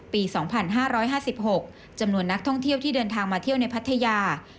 ปี๒๕๕๖จำนวนนักท่องเที่ยวที่เดินทางมาเที่ยวในพัทยา